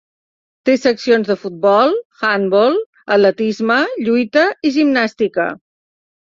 Té seccions de futbol, handbol, atletisme, lluita, i gimnàstica.